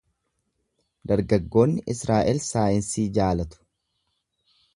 Dargaggoonni Israa’el saayinsii jaalatu.